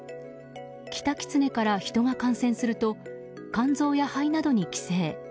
キタキツネから人が感染すると肝臓や肺などに寄生。